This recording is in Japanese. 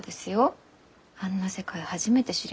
あんな世界初めて知りました。